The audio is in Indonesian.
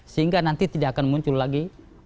sehingga nanti tidak akan muncul lagi